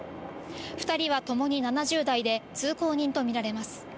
２人はともに７０代で、通行人と見られます。